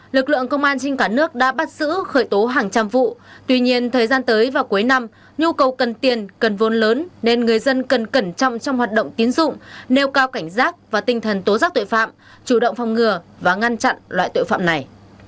lực lượng công an trên cả nước đã bắt giữ khởi tố hàng trăm vụ tuy nhiên thời gian tới vào cuối năm nhu cầu cần tiền cần vốn lớn nên người dân cần cẩn trọng trong hoạt động tiến dụng nêu cao cảnh giác và tinh thần tố giác tội phạm chủ động phòng ngừa và ngăn chặn loại tội phạm này